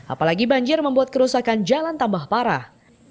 apalagi banjir membuat kerusakan jalan tambah parah